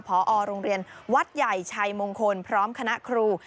พอโรงเรียนวัดใหญ่ชัยมงคลพร้อมคณะครู